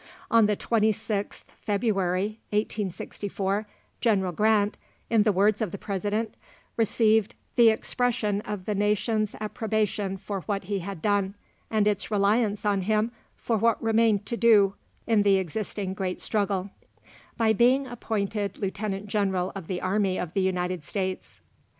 On the 26th February, 1864, General Grant, in the words of the President, received "the expression of the nation's approbation for what he had done, and its reliance on him for what remained to do in the existing great struggle," by being appointed Lieutenant General of the army of the United States.